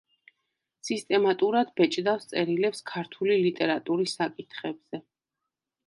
სისტემატურად ბეჭდავს წერილებს ქართული ლიტერატურის საკითხებზე.